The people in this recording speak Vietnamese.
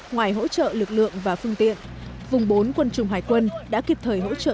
ngoài hỗ trợ lực lượng và phương tiện vùng bốn quân chủng hải quân đã kịp thời hỗ trợ